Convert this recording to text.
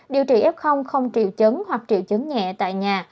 điều trị f không triệu chấn hoặc triệu chấn nhẹ tại nhà